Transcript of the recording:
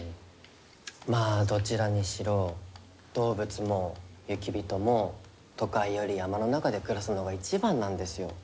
まあどちらにしろ動物も雪人も都会より山の中で暮らすのが一番なんですよ。